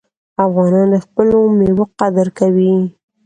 افغانان د خپلو میوو قدر کوي.